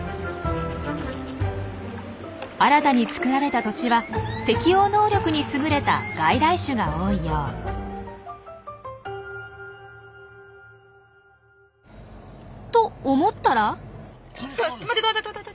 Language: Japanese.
新たに造られた土地は適応能力に優れた外来種が多いよう。と思ったら。